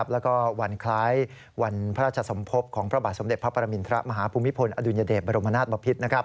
แล้วก็วันคล้ายวันพระราชสมภพของพระบาทสมเด็จพระปรมินทรมาฮภูมิพลอดุญเดชบรมนาศบพิษ